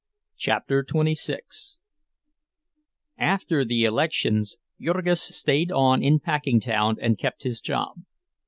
CHAPTER XXVI After the elections Jurgis stayed on in Packingtown and kept his job.